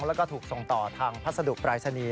แล้วก็ถูกส่งต่อทางพัสดุปรายศนีย์